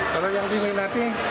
kalau yang diminati